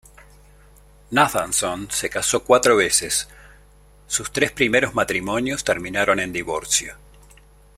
Nathanson se casó cuatro veces; sus tres primeros matrimonios terminaron en divorcio.